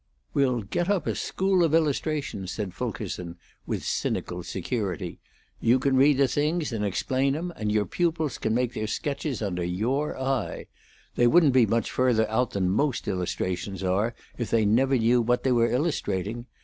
"We'll get up a School of Illustration," said Fulkerson, with cynical security. "You can read the things and explain 'em, and your pupils can make their sketches under your eye. They wouldn't be much further out than most illustrations are if they never knew what they were illustrating.